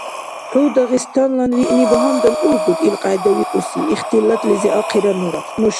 — ХӀу дагъистанлан виъни багьандан ургуд илкьяйда викӀуси? — ихтилатлизи ахъира нуша.